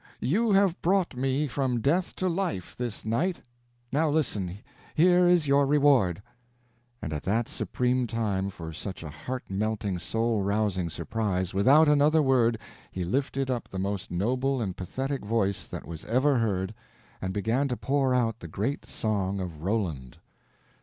—you have brought me from death to life this night; now listen: here is your reward," and at that supreme time for such a heart melting, soul rousing surprise, without another word he lifted up the most noble and pathetic voice that was ever heard, and began to pour out the great Song of Roland!